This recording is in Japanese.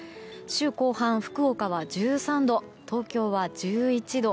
週後半、福岡は１３度東京は１１度。